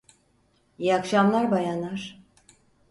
İyi akşamlar bayanlar.